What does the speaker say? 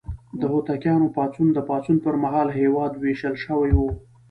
د هوتکیانو پاڅون: د پاڅون پر مهال هېواد ویشل شوی و.